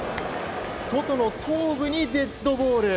ソトの頭部にデッドボール。